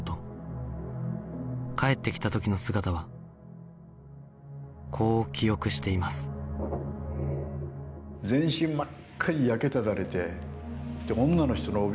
帰ってきた時の姿はこう記憶していますはあ。